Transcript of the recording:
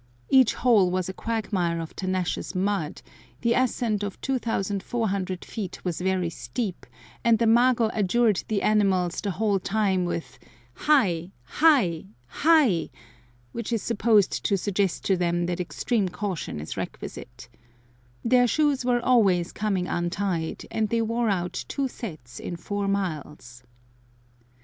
Each hole was a quagmire of tenacious mud, the ascent of 2400 feet was very steep, and the mago adjured the animals the whole time with Hai! Hai! Hai! which is supposed to suggest to them that extreme caution is requisite. Their shoes were always coming untied, and they wore out two sets in four miles.